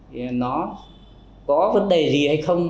thì nó có vấn đề gì hay không